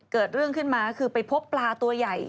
เกิดเรื่องขึ้นมาคือไปพบปลาตัวใหญ่